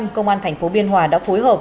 công an thành phố biên hòa đã phối hợp